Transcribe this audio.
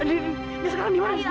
ini sekarang dimana